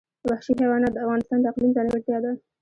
وحشي حیوانات د افغانستان د اقلیم ځانګړتیا ده.